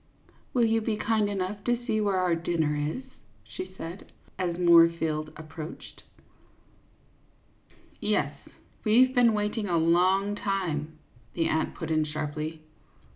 " Will you be kind enough to see where our din ner is ?" she said, as Moorfield approached. 42 CLYDE MOORFIELD, YACHTSMAN. " Yes, we 've been waiting a long time," the aunt put in, sharply.